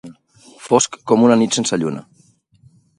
Fosc com una nit sense lluna.